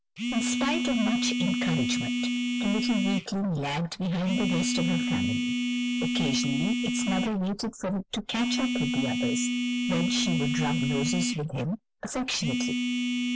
In spite of much encouragement, the little weakling lagged behind the rest of her family; occasionally its mother waited for it to catch up with the others, when she would rub noses with him affectionately.